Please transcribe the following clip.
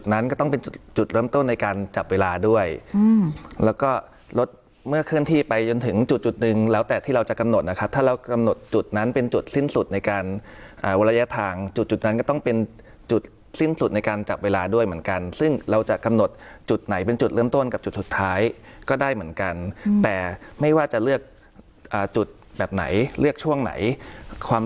เมื่อเคลื่อนที่ไปจนถึงจุดจุดหนึ่งแล้วแต่ที่เราจะกำหนดนะครับถ้าเรากำหนดจุดนั้นเป็นจุดสิ้นสุดในการอ่าวัดระยะทางจุดจุดนั้นก็ต้องเป็นจุดสิ้นสุดในการจับเวลาด้วยเหมือนกันซึ่งเราจะกำหนดจุดไหนเป็นจุดเริ่มต้นกับจุดสุดท้ายก็ได้เหมือนกันอืมแต่ไม่ว่าจะเลือกอ่าจุดแบบไหนเลือกช่ว